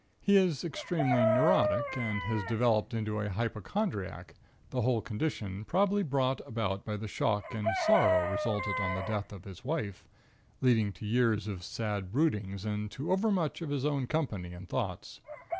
He is extremely neurotic and has developed into a hypochondriac, the whole condition probably brought about by the shock and sorrow resultant on the death of his wife, leading to years of sad broodings and to overmuch of his own company and thoughts.